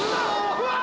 うわ！